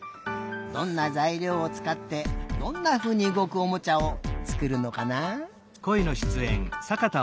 どんなざいりょうをつかってどんなふうにうごくおもちゃをつくるのかなあ？